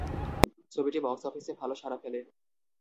ছবিটি বক্স অফিসে ভালো সারা ফেলে।